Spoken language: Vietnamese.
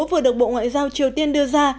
vừa được bộ ngoại giao triều tiên đưa ra